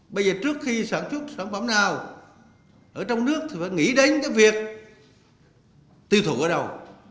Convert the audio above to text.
bây giờ trước khi sản xuất sản phẩm nào ở trong nước thì phải nghĩ đến cái việc tiêu thụ ở đâu